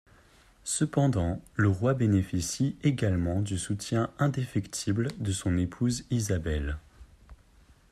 Cependant, le roi bénéficie également du soutien indéfectible de son épouse Isabelle.